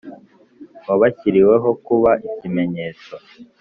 wabashyiriweho kuba ikimenyetso,